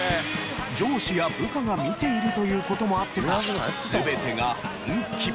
上司や部下が見ているという事もあってか全てが本気。